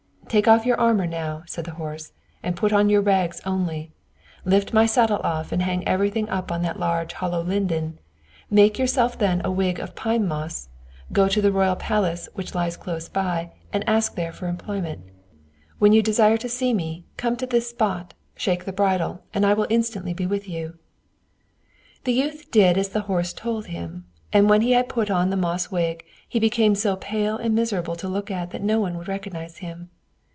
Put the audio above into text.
"Take off your armor now," said the horse, "and put on your rags only; lift my saddle off and hang everything up in that large hollow linden; make yourself then a wig of pine moss, go to the royal palace which lies close by, and there ask for employment. When you desire to see me, come to this spot, shake the bridle, and I will instantly be with you." The youth did as the horse told him; and when he put on the moss wig he became so pale and miserable to look at that no one would have recognized him.